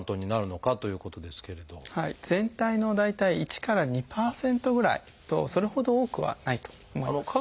全体の大体１２％ぐらいとそれほど多くはないと思います。